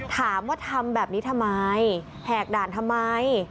ถามว่าทำแบบนี้ทำไมแหกด่านทำไม